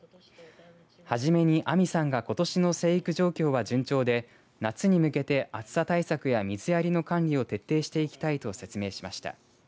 初めに網さんがことしの生育状況は順調で夏に向けて暑さ対策や水やりの管理を徹底していきたいと説明しました。